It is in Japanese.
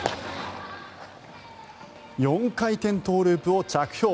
４回転トウループを着氷。